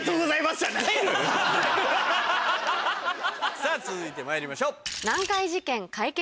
さぁ続いてまいりましょう！